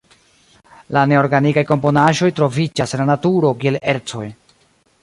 La neorganikaj komponaĵoj troviĝas en la naturo kiel ercoj.